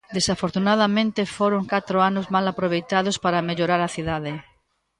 Desafortunadamente foron catro anos mal aproveitados para mellorar a cidade.